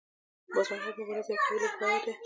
باز محمد مبارز یو قوي لوبغاړی دی.